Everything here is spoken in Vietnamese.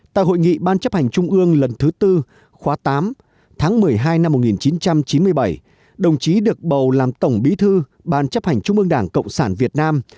tại hội nghị ban chấp hành trung ương lần thứ tư khóa tám tháng một mươi hai năm một nghìn chín trăm chín mươi bảy đồng chí được bầu làm tổng bí thư ban chấp hành trung ương đảng cộng sản việt nam